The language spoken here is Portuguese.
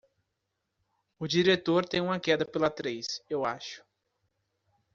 O diretor tem uma queda pela atriz, eu acho.